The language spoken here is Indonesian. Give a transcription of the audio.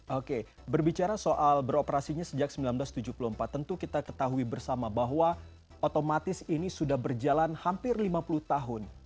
oke berbicara soal beroperasinya sejak seribu sembilan ratus tujuh puluh empat tentu kita ketahui bersama bahwa otomatis ini sudah berjalan hampir lima puluh tahun